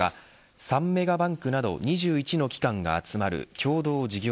３メガバンクなど２１の機関が集まる共同事業